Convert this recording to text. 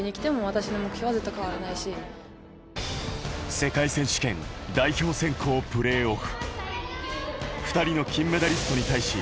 世界選手権、代表選考プレーオフ。